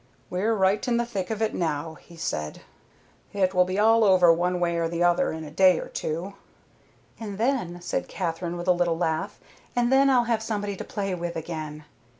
"We're right in the thick of it now," he said. "It will all be over one way or the other in a day or two." "And then," said Katherine, with a little laugh, "and then I'll have somebody to play with again."